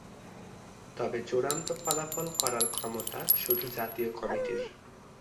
তবে চূড়ান্ত ফলাফল করার ক্ষমতা শুধু জাতীয় কমিটির।